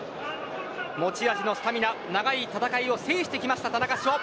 持ち味のスタミナ長い戦いを制してきた田中志歩。